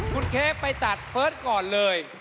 คุณเค้กไปตัดเฟิร์สก่อนเลย